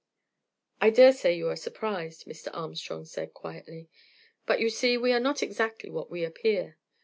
"I dare say you are surprised," Mr. Armstrong said, quietly, "but you see we are not exactly what we appear.